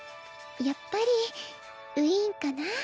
やっぱりウィーンかな。